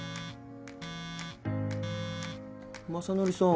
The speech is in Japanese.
雅紀さん。